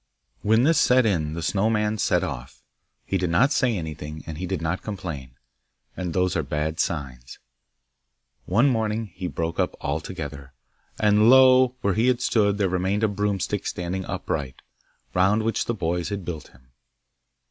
When this set in the Snow man set off. He did not say anything, and he did not complain, and those are bad signs. One morning he broke up altogether. And lo! where he had stood there remained a broomstick standing upright, round which the boys had built him!